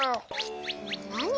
なに？